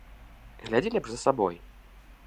Глядзі лепш за сабой!